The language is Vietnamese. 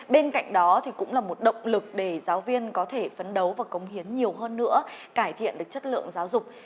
bên cạnh đó cũng là một động lực để giáo viên có thể phấn đấu và công hiến nhiều hơn nữa cải thiện được chất lượng giáo dục